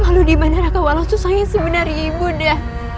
lalu di mana raka walang sungsang yang sebenarnya ibunda